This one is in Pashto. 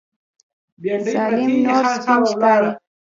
ظالم نور سپین ښکاري.